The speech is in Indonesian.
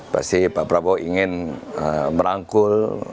pasti pak prabowo ingin merangkul